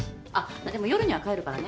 あでも夜には帰るからね。